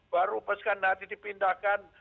baru besikan nanti dipindahkan